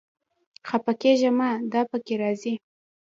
خپه کېږه مه، دا پکې راځي